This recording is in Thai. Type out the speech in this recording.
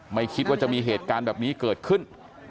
ไม่คิดว่าจะมีเหตุการณ์แบบนี้เกิดขึ้น